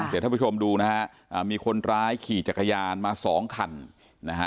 แต่ท่านผู้ชมดูนะฮะมีคนร้ายขี่จักรยานมา๒คัน